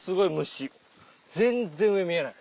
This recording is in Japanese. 虫全然上見えない。